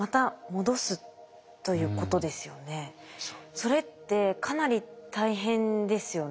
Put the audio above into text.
それってかなり大変ですよね。